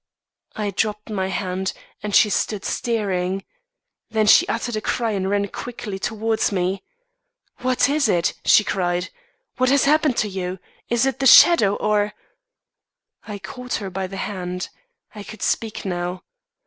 _ I dropped my hand, and she stood staring; then she uttered a cry and ran quickly towards me. 'What is it?' she cried. 'What has happened to you? Is it the shadow or ' "I caught her by the hand. I could speak now.